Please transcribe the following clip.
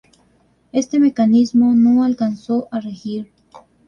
Este mecanismo no alcanzó a regir.